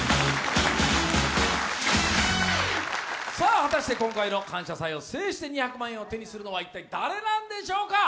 果たして今回の「感謝祭」を制して２００万円を手にするのは一体、誰なんでしょうか。